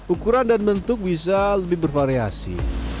ukuran dan bentuk bisa lebih bervariasi